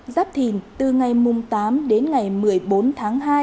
giáp thìn từ ngày tám đến ngày một mươi bốn tháng hai